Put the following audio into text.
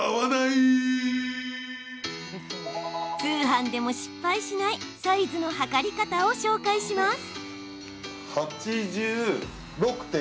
通販でも失敗しないサイズの測り方を紹介します。